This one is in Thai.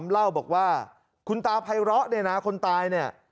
เล่าบอกว่าคุณตาพัยร้อในหน้าคนตายเนี่ย